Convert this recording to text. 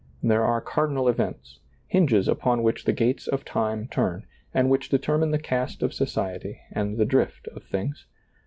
There are cardinal events, hinges upon which the gates of time turn, and which determine the cast of society and the drift of things.